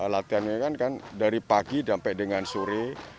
latihan ini kan dari pagi sampai dengan sore